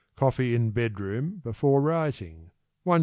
Coffee in bedroom before rising, 1s.